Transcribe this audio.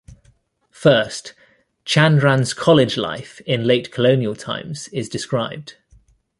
First, Chandran's college life in late colonial times is described.